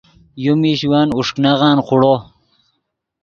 یو میش ون اوݰک نغن خوڑو